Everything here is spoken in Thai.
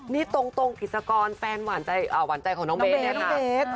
นี่ตรงพิศากรแฟนหวานใจของน้องเบ๊ก